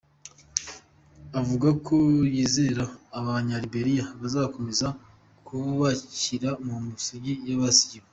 Avuga ko yizera ko Abanya-Liberia bazakomeza kubakira ku musingi yabasigiye.